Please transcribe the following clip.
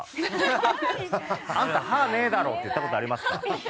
「あんた歯ねえだろ！」って言った事ありますか？